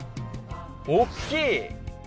大っきい。